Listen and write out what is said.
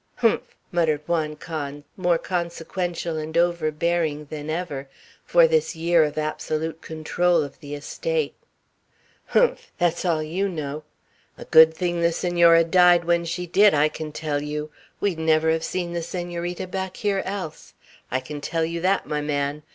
"Humph!" muttered Juan Can, more consequential and overbearing than ever, for this year of absolute control of the estate. "Humph! that's all you know. A good thing the Senora died when she did, I can tell you! We'd never have seen the Senorita back here else; I can tell you that, my man!